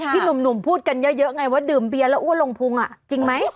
หนุ่มพูดกันเยอะไงว่าดื่มเบียร์แล้วอ้วนลงพุงจริงไหม